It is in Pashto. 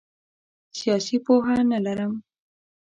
سیاسي پوهه نه لرم.